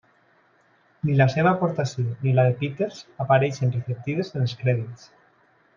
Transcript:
Ni la seva aportació, ni la de Peters apareixen reflectides en els crèdits.